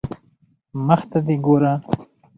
مخ ته دي ګوره